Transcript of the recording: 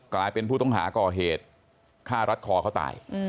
กลายเป็นผู้ต้องหาก่อเหตุฆ่ารัดคอเขาตาย